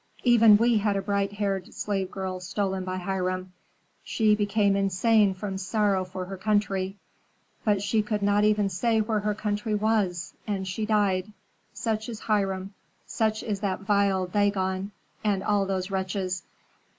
Even we had a bright haired slave girl stolen by Hiram. She became insane from sorrow for her country. But she could not even say where her country was; and she died. Such is Hiram, such is that vile Dagon, and all those wretches."